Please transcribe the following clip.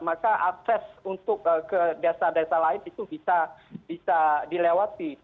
maka akses untuk ke desa desa lain itu bisa dilewati